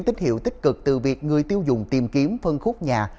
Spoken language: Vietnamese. tín hiệu tích cực từ việc người tiêu dùng tìm kiếm phân khúc nhà